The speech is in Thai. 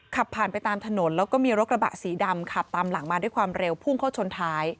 ขับผ่านไปตามถนนแล้วก็มีรถกระบะสีดำขับตามหลังมาด้วยความเร็วพุ่งเข้าชนท้าย